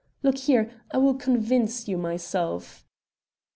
Look here; I will convince you myself."